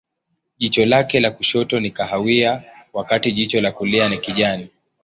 Jicho lake la kushoto ni kahawia, wakati jicho la kulia ni kijani.